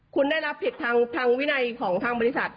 คุณได้รับผิดทางวินัยของทางบริษัท